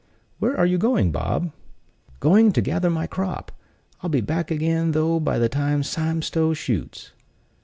"Where are you going, Bob?" "Going to gather in my crop; I'll be back again though by the time Sime Stow shoots."